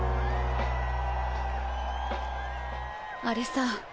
あれさ。